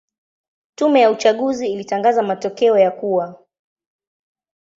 Tume ya uchaguzi ilitangaza matokeo ya kuwa